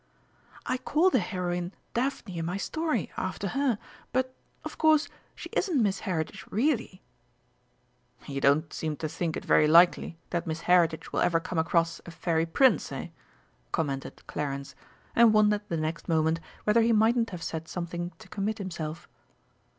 "I call the heroine 'Daphne' in my story, after her but, of course, she isn't Miss Heritage really." "You don't seem to think it very likely that Miss Heritage will ever come across a Fairy Prince, eh!" commented Clarence, and wondered the next moment whether he mightn't have said something to commit himself.